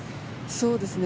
そうですね。